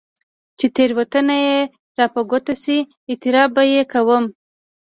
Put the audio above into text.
چې تېروتنه راپه ګوته شي، اعتراف به يې کوم.